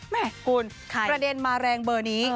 แม่กูนใครประเด็นมาแรงเบอร์นี้